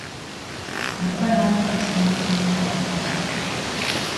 Im Oberlauf gab es mehrere kleine Teiche.